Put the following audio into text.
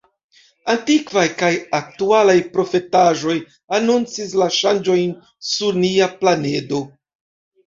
Antikvaj kaj aktualaj profetaĵoj anoncis la ŝanĝojn sur nia planedo.